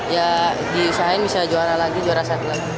ya diusahain bisa juara lagi juara satu lagi